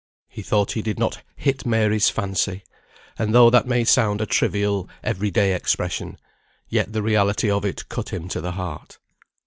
He thought he did not "hit Mary's fancy;" and though that may sound a trivial every day expression, yet the reality of it cut him to the heart.